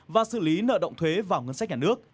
và xử lý nợ động thuế vào ngân sách nhà nước